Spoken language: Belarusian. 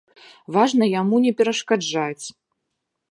Важна яму не перашкаджаць.